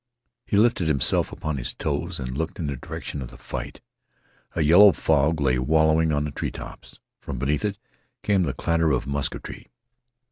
He lifted himself upon his toes and looked in the direction of the fight. A yellow fog lay wallowing on the treetops. From beneath it came the clatter of musketry.